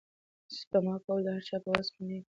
سپما کول د هر چا په وس کې نه وي.